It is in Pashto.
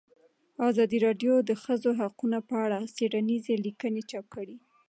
ازادي راډیو د د ښځو حقونه په اړه څېړنیزې لیکنې چاپ کړي.